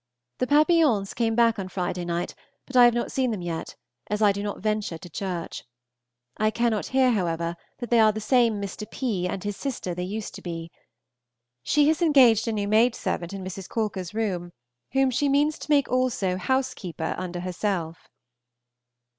The Papillons came back on Friday night, but I have not seen them yet, as I do not venture to church. I cannot hear, however, but that they are the same Mr. P. and his sister they used to be. She has engaged a new maidservant in Mrs. Calker's room, whom she means to make also housekeeper under herself.